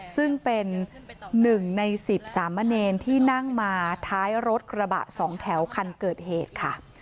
ซึ่งเป็นหนึ่งในสิบสำเนณที่นั่งมาท้ายรถกระบะสองแถวคันเกิดเหตุค่ะ